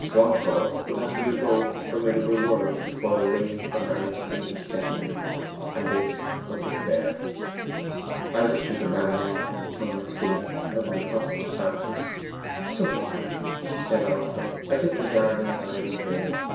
Swancourt would have to revoke his formidable words before the waiting for marriage could even set in. And this was despair. 'I wish we could marry now,' murmured Stephen, as an impossible fancy. 'So do I,' said she also, as if regarding an idle dream.